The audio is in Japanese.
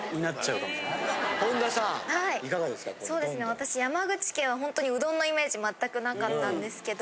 私山口県はほんとにうどんのイメージ全くなかったんですけど。